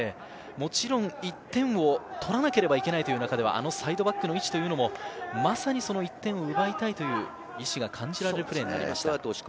１点を取らなければいけないという中ではあのサイドバックの位置というのも、まさに１点を奪いたいという意思が感じられるプレーになりました。